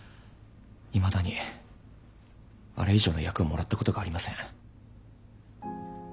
いまだにあれ以上の役をもらったことがありません。